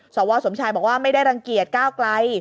สวสมชายบอกว่าไม่ได้รังเกียจก้าวไกล